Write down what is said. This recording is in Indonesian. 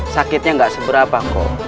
sakitnya gak seberapa kok